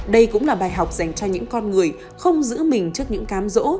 đây cũng là bài học dành cho những con người không giữ mình trước những cám rỗ